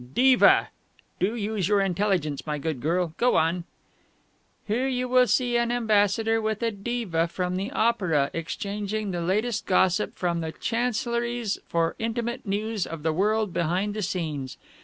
'" "'Diva.' Do use your intelligence, my good girl. Go on." "Here you will see an ambassador with a diva from the opera, exchanging the latest gossip from the chancelleries for intimate news of the world behind the scenes.